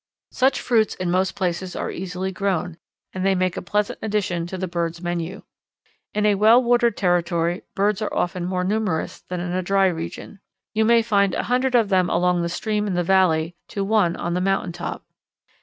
Such fruits in most places are easily grown, and they make a pleasant addition to the birds' menu. In a well watered territory birds are always more numerous than in a dry region. You may find a hundred of them along the stream in the valley to one on the mountain top.